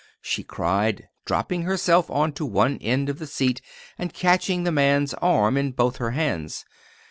she cried, dropping herself on to one end of the seat and catching the man's arm in both her hands.